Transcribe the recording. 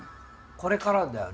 これからだよね。